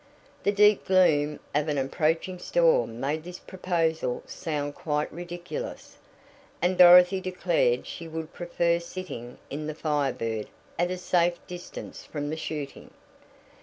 The deep gloom of an approaching storm made this proposal sound quite ridiculous, and Dorothy declared she would prefer sitting in the Fire Bird at a safe distance from the shooting.